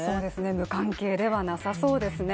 無関係ではなさそうですね。